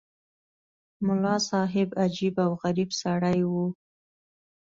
ملا صاحب عجیب او غریب سړی وو.